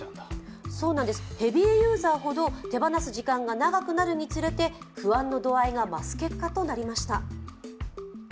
ヘビーユーザーほど手放す時間が長くなるにつれて不安の度合いが増す結果となりました。